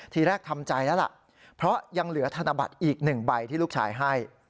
ทีแรกทำใจแล้วล่ะเพราะยังเหลือธนบัตรอีก๑ใบที่ลูกชายให้